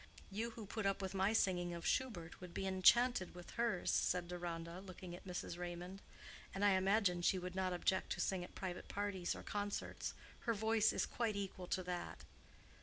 You who put up with my singing of Schubert would be enchanted with hers," said Deronda, looking at Mrs. Raymond. "And I imagine she would not object to sing at private parties or concerts. Her voice is quite equal to that."